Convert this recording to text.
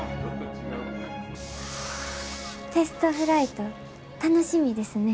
テストフライト楽しみですね。